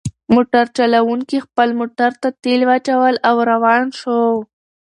موټر چلونکي خپل موټر ته تیل واچول او روان شو.